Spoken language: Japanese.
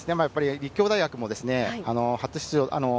立教大学も初出場。